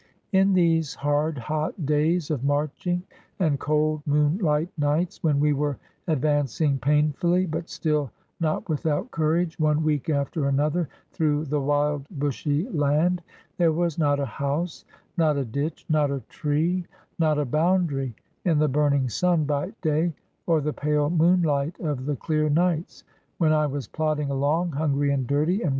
In these hard, hot days of marching and cold, moon light nights, when we were advancing painfully, but still not without courage, one week after another, through the wild, bushy land, — there was not a house, not a ditch, not a tree, not a boundary in the burning sun by day or the pale moonhght of the clear nights; when I was plodding along, hungry and dirty and.